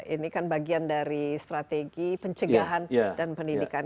ini kan bagian dari strategi pencegahan dan pendidikan